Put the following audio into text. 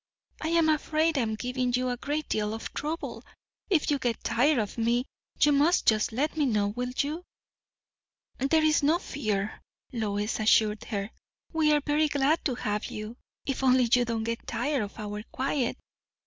"I am afraid I am giving you a great deal of trouble! If you get tired of me, you must just let me know. Will you?" "There is no fear," Lois assured her. "We are very glad to have you. If only you do not get tired of our quiet.